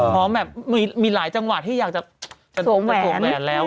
แบบมีหลายจังหวัดที่อยากจะสวมแหวนแล้ว